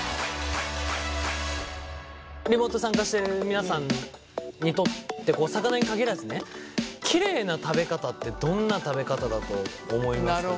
リモート参加してる皆さんにとって魚に限らずねキレイな食べ方ってどんな食べ方だと思いますかね？